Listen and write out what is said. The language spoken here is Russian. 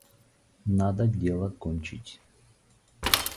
Надо дело кончить.